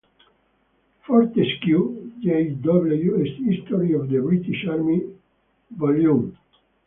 Fortescue, J. W., A History of the British Army Vol.